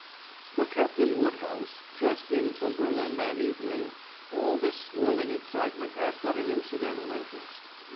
For Captain Woodhouse, just in from Berlin that evening, all this swirling excitement had but an incidental interest.